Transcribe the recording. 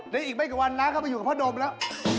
เดี๋ยวอีกไม่กี่วันน้าเข้าไปอยู่กับพ่อดมแล้ว